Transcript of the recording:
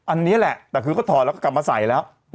อันนี้แหละแต่คือก็ถอดแล้วก็กลับมาใส่แล้ว